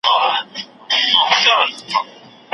سوړ به لکه اوښکه په ګرېوان کي څڅېدلی یم